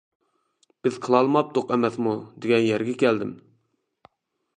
بىز قىلالماپتۇق ئەمەسمۇ دېگەن يەرگە كەلدىم.